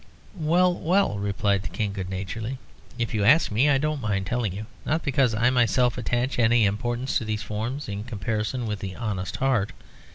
"Well, well," replied the King, good naturedly, "if you ask me I don't mind telling you, not because I myself attach any importance to these forms in comparison with the Honest Heart.